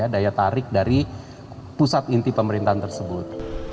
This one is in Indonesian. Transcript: daya tarik dari pusat inti pemerintahan tersebut